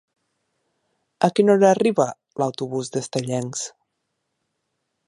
A quina hora arriba l'autobús d'Estellencs?